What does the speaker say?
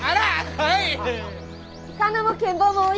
はい！